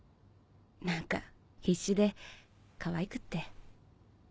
何か必死でかわいくって。